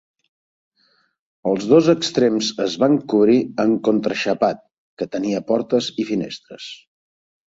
Els dos extrems es van cobrir amb contraxapat, que tenia portes i finestres.